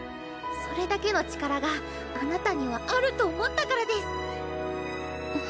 それだけの力があなたにはあると思ったからデス。